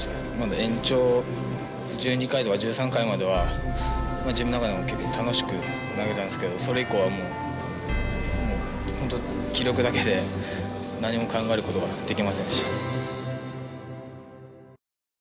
延長１２回とか１３回までは自分の中でも結構楽しく投げたんですけどそれ以降はもう本当気力だけで何も考えることができませんでした。